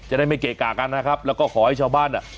ได้ไม่เกะกะกันนะครับแล้วก็ขอให้ชาวบ้านอ่ะ